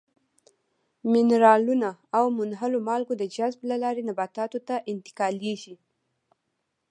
منرالونه او منحلو مالګو د جذب له لارې نباتاتو ته انتقالیږي.